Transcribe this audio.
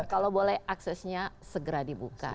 kalau boleh aksesnya segera dibuka